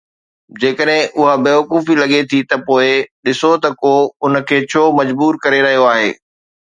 جيڪڏهن اها بيوقوفي لڳي ٿي ته پوءِ ڏسو ته ڪو ان کي ڇو مجبور ڪري رهيو آهي